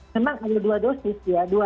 memang ada dua dosis ya